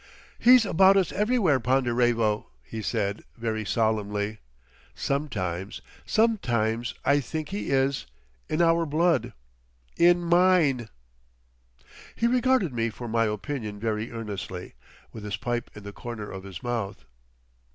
"He's about us everywhere, Ponderevo," he said, very solemnly. "Sometimes—sometimes I think he is—in our blood. In mine." He regarded me for my opinion very earnestly, with his pipe in the corner of his mouth.